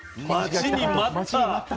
待ちに待った。